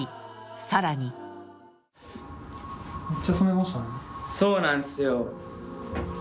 さらにそうなんすよ。